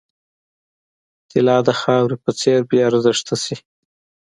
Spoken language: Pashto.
طلا د خاورې په څېر بې ارزښته شي.